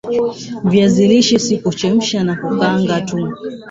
viazi lishe si kuchemsha na kukaanga tu